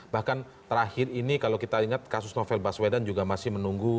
bahkan terakhir ini kalau kita ingat kasus novel baswedan juga masih menunggu